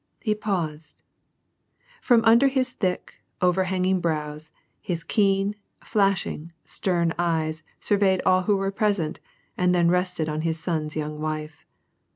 He paused. From under his thick, overhanging brows, his keen, flashing, stern eyes sur veyed all who were present, and then rested on his son's young wife.